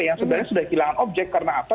yang sebenarnya sudah kehilangan objek karena apa